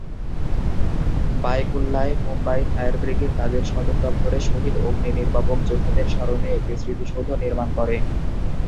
বাইকুল্লায় Mumbai fire brigade তাদের সদর দপ্তরে শহিদ অগ্নিনির্বাপক যোদ্ধাদের স্মরণে একটি স্মৃতিসৌধ নির্মাণ করে।